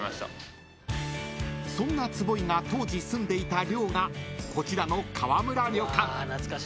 ［そんな坪井が当時住んでいた寮がこちらの川村旅館］